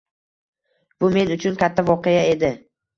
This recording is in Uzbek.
Bu men uchun katta voqea edi.